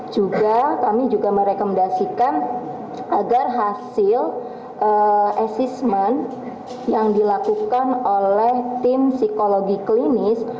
juga kami juga merekomendasikan agar hasil asesmen yang dilakukan oleh tim psikologi klinis